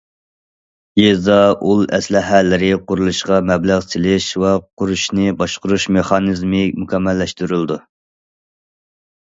يېزا ئۇل ئەسلىھەلىرى قۇرۇلۇشىغا مەبلەغ سېلىش ۋە قۇرۇشنى باشقۇرۇش مېخانىزمى مۇكەممەللەشتۈرۈلىدۇ.